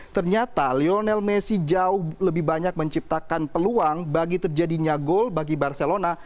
ternyata lionel messi jauh lebih banyak menciptakan peluang bagi terjadinya gol bagi barcelona